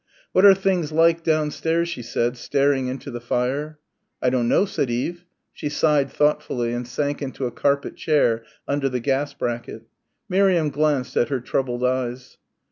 "What are things like downstairs?" she said, staring into the fire. "I don't know," said Eve. She sighed thoughtfully and sank into a carpet chair under the gas bracket. Miriam glanced at her troubled eyes.